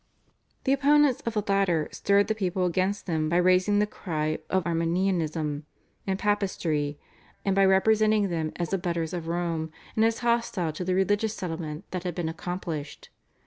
The opponents of the latter stirred the people against them by raising the cry of Arminianism and Papistry, and by representing them as abettors of Rome and as hostile to the religious settlement that had been accomplished.